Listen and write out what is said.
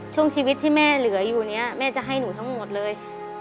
ช่วงชีวิตที่แม่เหลืออยู่เนี่ยแม่จะให้หนูทั้งหมดเลย